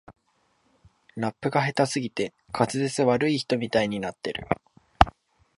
ラップが下手すぎて滑舌悪い人みたいになってる